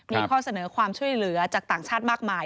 มีข้อเสนอความช่วยเหลือจากต่างชาติมากมาย